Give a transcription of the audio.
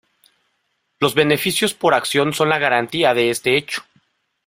Los beneficios por acción son la garantía de este hecho.